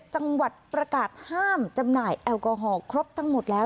จังหวัดประกาศห้ามจำหน่ายแอลกอฮอลครบทั้งหมดแล้ว